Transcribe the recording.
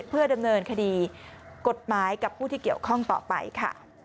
เพื่อดำเนินคดีกฎหมายกับผู้ที่เกี่ยวข้องต่อไปค่ะ